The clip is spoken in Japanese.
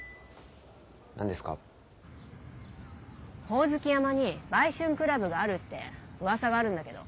ホオズキ山に売春クラブがあるってうわさがあるんだけど。